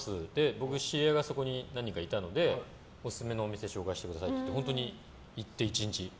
僕、知り合いがそこに何人かいたので、オススメのお店紹介してくださいとか本当に行って、１日。